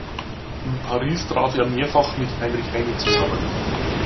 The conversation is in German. In Paris traf er mehrfach mit Heinrich Heine zusammen.